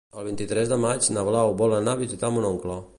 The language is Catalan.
El vint-i-tres de maig na Blau vol anar a visitar mon oncle.